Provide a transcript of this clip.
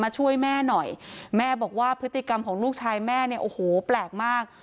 ช่วยแม่หน่อยแม่บอกว่าพฤติกรรมของลูกชายแม่เนี่ยโอ้โหแปลกมาก